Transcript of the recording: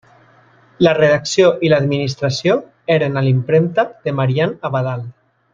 La redacció i l'administració eren a la impremta de Marian Abadal.